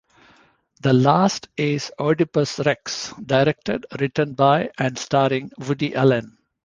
The last is "Oedipus Wrecks", directed, written by and starring Woody Allen.